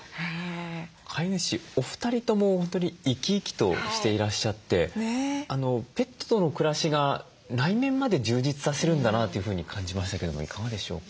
飼い主お二人とも本当に生き生きとしていらっしゃってペットとの暮らしが内面まで充実させるんだなというふうに感じましたけれどもいかがでしょうか？